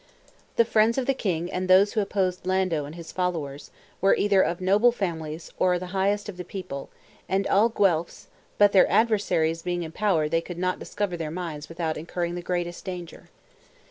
The friends of the king and those who opposed Lando and his followers, were either of noble families or the highest of the people, and all Guelphs; but their adversaries being in power they could not discover their minds without incurring the greatest danger.